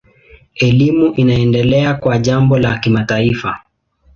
Elimu inaendelea kuwa jambo la kimataifa.